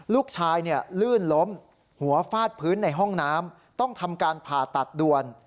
ลูกชายลื่นล้มหัวฟาดพื้นในห้องน้ำต้องทำการผ่าตัดด่วน